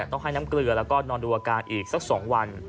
ต้องให้น้ำเกลือแล้วก็นอนดูอาการอีกสัก๒วัน